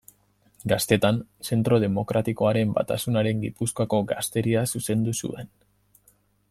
Gaztetan Zentro Demokratikoaren Batasunaren Gipuzkoako gazteria zuzendu zuen.